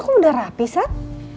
aku udah rapi sat